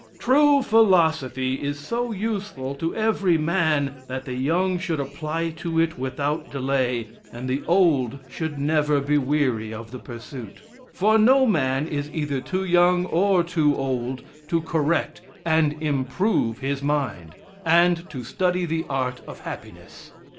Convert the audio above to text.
True philosophy is so useful to every man, that the young should apply to it without delay, and the old should never be weary of the pursuit; for no man is either too young or too old to correct and improve his mind, and to study the art of happiness.